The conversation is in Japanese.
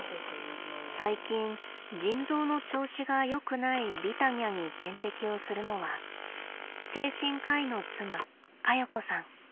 最近腎臓の調子がよくないビタニャに点滴をするのは精神科医の妻カヨ子さん。